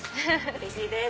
うれしいです！